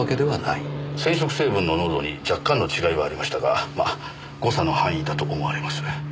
染色成分の濃度に若干の違いはありましたがまあ誤差の範囲だと思われます。